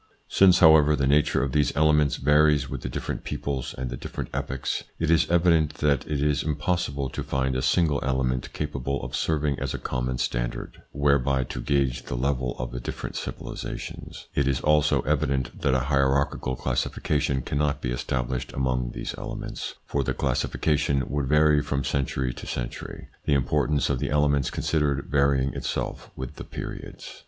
Since, however, the nature of these elements varies with the different peoples and the different epochs, it is evident that it is impossible to find a single element capable of serving as a common standard whereby to gauge the level of the different civilisations. ITS INFLUENCE ON THEIR EVOLUTION 79 It is also evident that a hierarchical classification cannot be established among these elements, for the classification would vary from century to century, the importance of the elements considered varying itself with the periods.